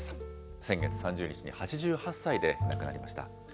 先月３０日に８８歳で亡くなりました。